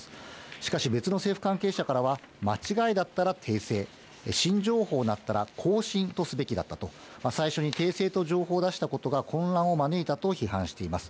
しかし、別の政府関係者からは、間違いだったら訂正、新情報だったら更新とすべきだったと、最初に訂正と情報を出したことが混乱を招いたと批判しています。